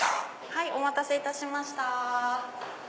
はいお待たせいたしました。